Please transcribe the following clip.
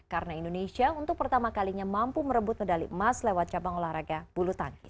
karena indonesia untuk pertama kalinya mampu merebut medali emas lewat cabang olahraga bulu tangis